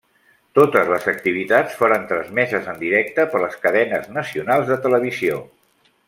Totes les activitats foren transmeses en directe per les cadenes nacionals de televisió.